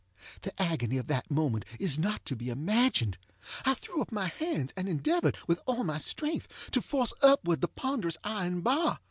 The agony of that moment is not to be imagined. I threw up my hands and endeavored, with all my strength, to force upward the ponderous iron bar.